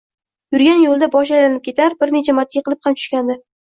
Yurgan yo`lida boshi aylanib ketar, bir necha marta yiqilib ham tushgandi